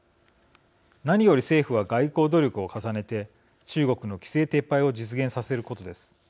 何より政府は外交努力を重ねて中国の規制撤廃を実現させることです。